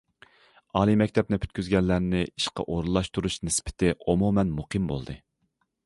ئالىي مەكتەپنى پۈتكۈزگەنلەرنى ئىشقا ئورۇنلاشتۇرۇش نىسبىتى ئومۇمەن مۇقىم بولدى.